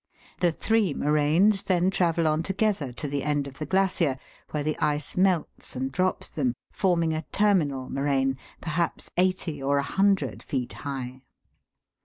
The three moraines then travel on together to the end of the glacier, where the ice melts and drops them, forming a " terminal moraine," perhaps eighty or 100 feet high.